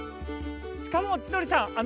しかも千鳥さん